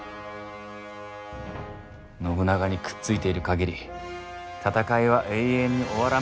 信長にくっついている限り戦いは永遠に終わらん無間地獄じゃ！